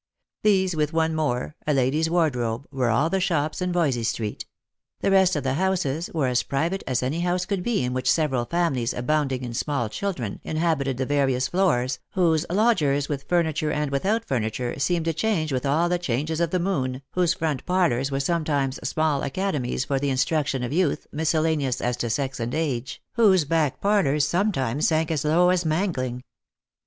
These, with one more, a ladies' wardrobe, were all the shops in Voysey street ; the rest of the houses were as private as any house could be in which several families abounding in small children inhabited the various floors, whose lodgers, with furniture and without furniture, seemed to change with all the changes of the moon, whose front parlours were sometimes small academies for the instruction of youth, miscellaneous as to sex and age, whose back parlours sometimes sank as low as mangling.